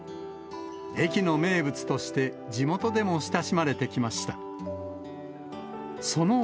駅の名物として、地元でも親しまれてきました。